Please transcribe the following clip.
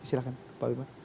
silahkan pak wimar